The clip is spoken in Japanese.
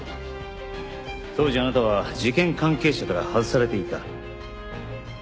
当時あなたは事件関係者から外されていた。